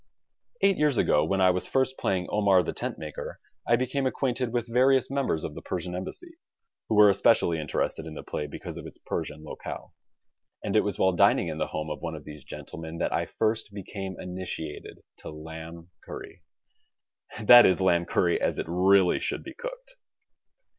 Eight years ago, when I was first playing "Omar, the Tentmaker," I be came acquainted with various members of the Persian Embassy, who were especially interested in the play be cause of its Persian locale, and it was while dining in the home of one of these gentlemen that I first became initi ated to lamb curry — that is, lamb curry as it really should be cooked